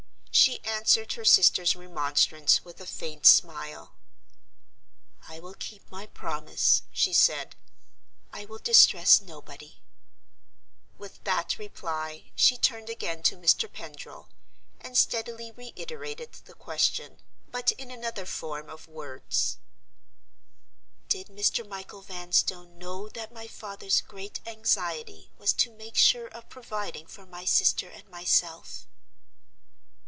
She answered her sister's remonstrance with a faint smile. "I will keep my promise," she said; "I will distress nobody." With that reply, she turned again to Mr. Pendril; and steadily reiterated the question—but in another form of words. "Did Mr. Michael Vanstone know that my father's great anxiety was to make sure of providing for my sister and myself?"